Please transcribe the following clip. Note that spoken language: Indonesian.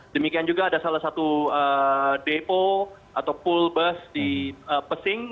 demikian juga ada salah satu depo atau pool bus di pesing